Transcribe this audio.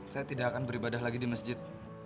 saya tidak akan beribadah lagi di masjid